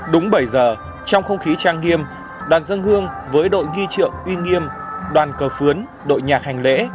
đúng bảy giờ trong không khí trang nghiêm đoàn dân hương với đội ghi trượng uy nghiêm đoàn cờ phướn đội nhạc hành lễ